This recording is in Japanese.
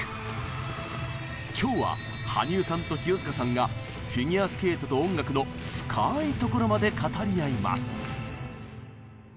今日は羽生さんと清塚さんが「フィギュアスケートと音楽」の深いところまで語り合います。